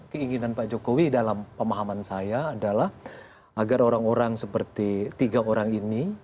keinginan pak jokowi dalam pemahaman saya adalah agar orang orang seperti tiga orang ini